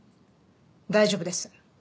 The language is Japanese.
大丈夫です。